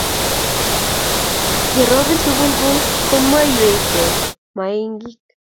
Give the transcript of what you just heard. Ye robin sugulgul ko muing'wergei miaing